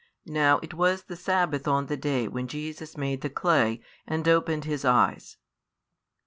Now it was the sabbath on the day when Jesus made the clay, and opened his eyes.